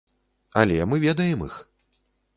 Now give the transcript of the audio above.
Але мы ведаем іх.